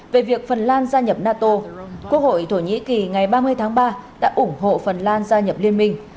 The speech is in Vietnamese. về việc phần lan gia nhập nato quốc hội thổ nhĩ kỳ ngày ba mươi tháng ba đã ủng hộ phần lan gia nhập liên minh